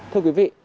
thưa quý vị